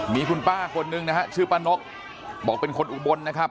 มีคุณป้าคนนึงนะฮะชื่อป้านกบอกเป็นคนอุบลนะครับ